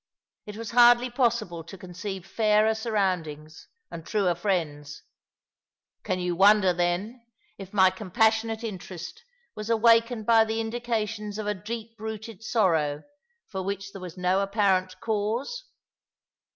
It was hardly possible to conceive fairer surroundings and truer friends. Can yoa wonder, then, if my compassionate interest was awakened by the indications of a deep rooted sorrow for which there waf "/» the Shadow of the Tomb,*^ 261 no apparent canse